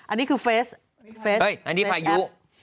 อันนี้คือเฟสอันนี้พายุ